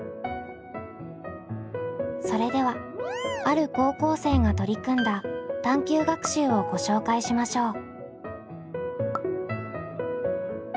それではある高校生が取り組んだ探究学習をご紹介しましょう。